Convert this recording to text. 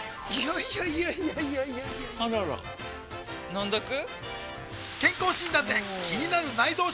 いやいやいやいやあらら飲んどく？